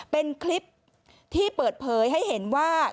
เป็นคลิปที่เปิดเผยให้เห็นว่า